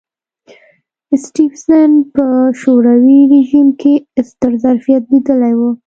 سټېفنس په شوروي رژیم کې ستر ظرفیت لیدلی و